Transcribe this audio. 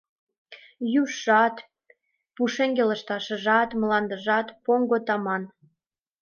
Южшат, пушеҥге лышташыжат, мландыжат — поҥго таман.